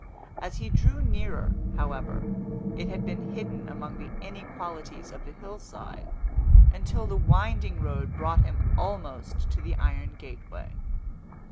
As he drew nearer, however, it had been hidden among the inequalities of the hillside, until the winding road brought him almost to the iron gateway.